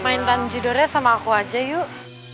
main tanjidore sama aku aja yuk